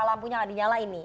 lampunya gak dinyala ini